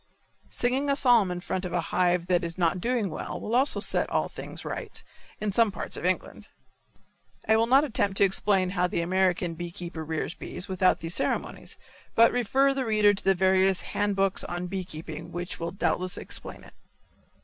Singing a psalm in front of a hive that is not doing well will also set all things right, in some parts of England. I will not attempt to explain how the American bee keeper rears bees without these ceremonies, but refer the reader to the various hand books on bee keeping which will doubtless explain it.